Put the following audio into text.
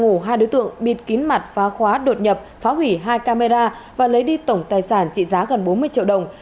ổ hai đối tượng bịt kín mặt phá khóa đột nhập phá hủy hai camera và lấy đi tổng tài sản trị giá gần bốn mươi triệu đồng